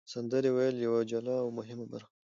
سندرې ویل یوه جلا او مهمه برخه ده.